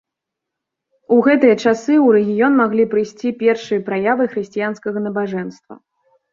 У гэтыя часы ў рэгіён маглі прыйсці першыя праявы хрысціянскага набажэнства.